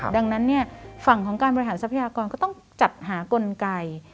ดังนั้นฝั่งของการบริหารทรัพยากรก็ต้องจัดหากลไก